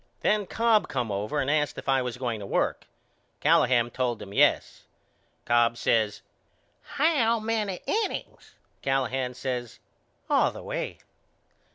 Then Cobb come over and asked if I was going to work. Callahan told him Yes. Cobb says How many innings? Callahan says All the way.